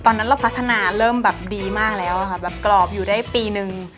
ตอนนั้นเราพัฒนาเริ่มแบบดีมากแล้วค่ะแบบกรอบอยู่ได้ปีนึง